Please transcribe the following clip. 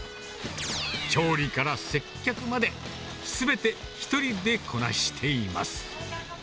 調理から接客まで、すべて１人でこなしています。